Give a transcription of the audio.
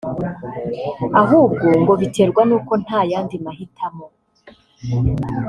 ahubwo ngo biterwa n’uko nta yandi mahitamo